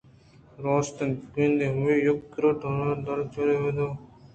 راست اِنت بہ گندے ہمے یک کِرّی ءُڈالچاری پہ من پائدگ اِنت ءُراہے دربہ کنت